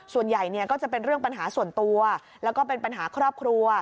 ส่วนใหญ่เนี่ยก็จะเป็นเรื่องปัญหาส่วนตัวแล้วก็เป็นปัญหาครอบครัว